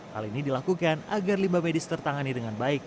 hal ini dilakukan agar limbah medis tertangani dengan baik